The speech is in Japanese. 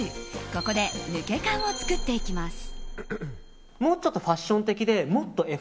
ここで抜け感を作っていきます。